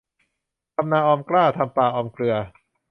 ทำนาออมกล้า ทำปลาออมเกลือ